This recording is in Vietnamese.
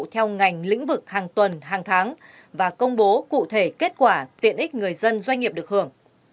theo ngành lĩnh vực hàng tuần hàng tháng và công bố cụ thể kết quả tiện ích người dân doanh nghiệp được hưởng